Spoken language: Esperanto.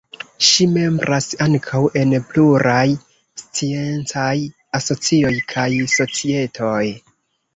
Ŝi membras ankaŭ en pluraj sciencaj asocioj kaj societoj.